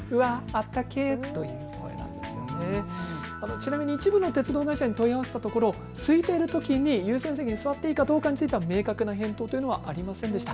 ちなみに一部の鉄道会社に問い合わせたところ、すいているときに優先席に座っていいかどうかについては明確な返答というのはありませんでした。